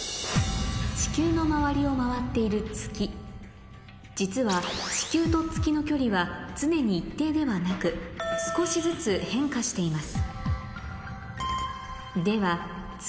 地球の周りを回っている月実は地球と月の距離は常に一定ではなく少しずつ変化しています